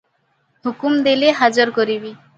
ହୁକୁମ ଦେଲେ ହାଜର କରିବି ।"